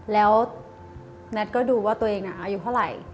แล้วแท็ตก็ดูว่าตัวเองอายุเท่าไหร่